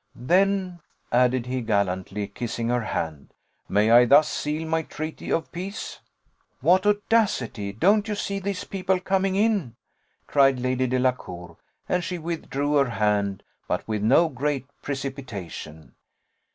Then," added he, gallantly kissing her hand, "may I thus seal my treaty of peace?" "What audacity! don't you see these people coming in?" cried Lady Delacour; and she withdrew her hand, but with no great precipitation.